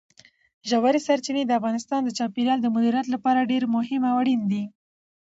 ژورې سرچینې د افغانستان د چاپیریال د مدیریت لپاره ډېر مهم او اړین دي.